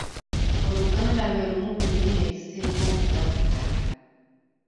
Oluganda lwe lumu ku nnimi ezisinga obugagga.